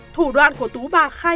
thủ đoạn của tú bà khai